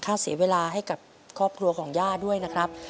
เสียเวลาให้กับครอบครัวของย่าด้วยนะครับ